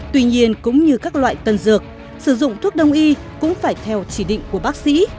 tuy nhiên cũng như các loại tân dược sử dụng thuốc đông y cũng phải theo chỉ định của bác sĩ